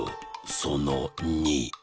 その２。